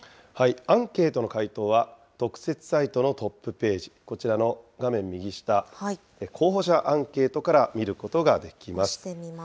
アンケートの回答は特設サイトのトップページ、こちらの画面右下、候補者アンケートから見ることができます。